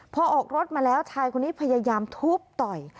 พอออกรถมาแล้วชายคนนี้พยายามทุบต่อย